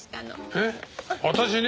えっ私に？